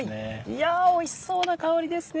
いやおいしそうな香りですね。